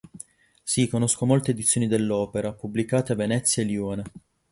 Si conoscono molte edizioni dell'opera, pubblicate a Venezia e Lione.